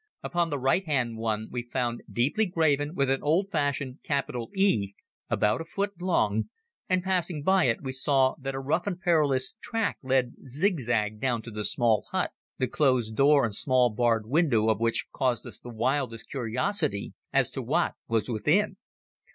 Upon the right hand one we found deeply graven an old fashioned capital E, about a foot long, and passing by it we saw that a rough and perilous track led zigzag down to the small hut, the closed door and small barred window of which caused us the wildest curiosity as to what was within.